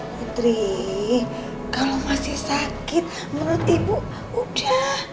putri kalau masih sakit menurut ibu udah